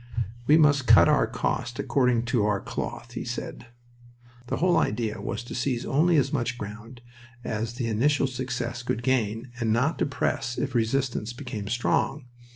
"We must cut our coat according to our cloth," he said. The whole idea was to seize only as much ground as the initial success could gain, and not to press if resistance became strong.